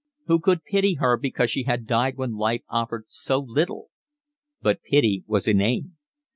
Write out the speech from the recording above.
Who could pity her because she had died when life offered so little? But pity was inane.